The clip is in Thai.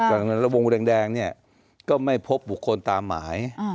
แล้ววงแดงเนี่ยก็ไม่พบบุคคลตามหมาย